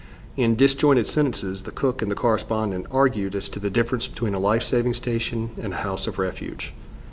In disjointed sentences the cook and the correspondent argued as to the difference between a life saving station and a house of refuge.